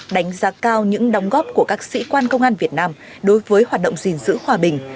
đánh giá cao những đóng góp của các sĩ quan công an việt nam đối với hoạt động gìn giữ hòa bình